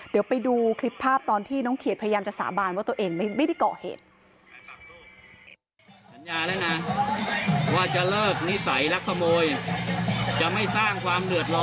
เดี๋ยวไปดูคลิปภาพตอนที่น้องเขียดพยายามจะสาบานว่าตัวเองไม่ได้เกาะเหตุ